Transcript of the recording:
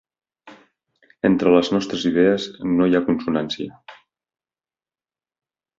Entre les nostres idees no hi ha consonància.